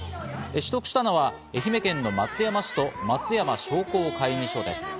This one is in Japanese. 取得したのは愛媛県の松山市と松山商工会議所です。